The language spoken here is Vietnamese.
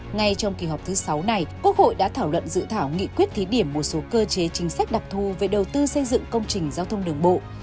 ngay trong kỳ họp thứ sáu này quốc hội đã thảo luận dự thảo nghị quyết thí điểm một số cơ chế chính sách đặc thù về đầu tư xây dựng công trình giao thông đường bộ